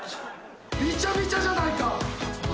びちゃびちゃじゃないか！